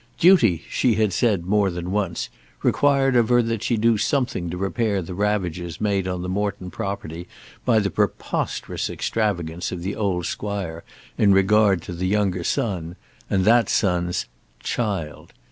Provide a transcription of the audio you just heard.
Duty, she had said more than once, required of her that she do something to repair the ravages made on the Morton property by the preposterous extravagance of the old squire in regard to the younger son, and that son's child.